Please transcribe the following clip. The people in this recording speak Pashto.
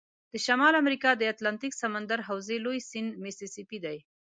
د شمال امریکا د اتلانتیک سمندر حوزې لوی سیند میسی سی پي دی.